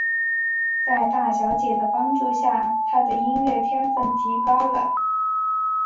在大小姐的帮助下他的音乐天份提高了。